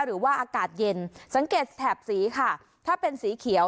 หรือว่าอากาศเย็นสังเกตแถบสีค่ะถ้าเป็นสีเขียว